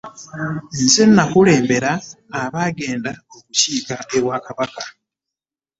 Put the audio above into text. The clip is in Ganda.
Nze nnakulembera abagenda okukiika ewa Kabaka.